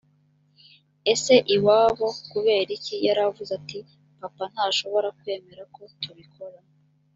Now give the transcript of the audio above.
ese iwabo kubera iki yaravuze ati papa ntashobora kwemera ko tubikora